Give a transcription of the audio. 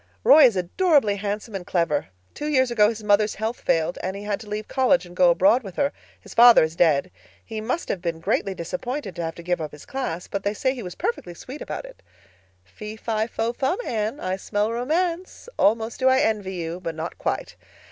Roy is adorably handsome and clever. Two years ago his mother's health failed and he had to leave college and go abroad with her—his father is dead. He must have been greatly disappointed to have to give up his class, but they say he was perfectly sweet about it. Fee—fi—fo—fum, Anne. I smell romance. Almost do I envy you, but not quite.